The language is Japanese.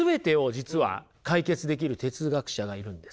実は解決できる哲学者がいるんです。